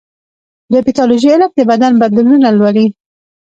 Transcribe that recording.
د پیتالوژي علم د بدن بدلونونه لولي.